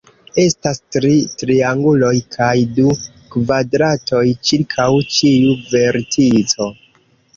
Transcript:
Estas tri trianguloj kaj du kvadratoj ĉirkaŭ ĉiu vertico.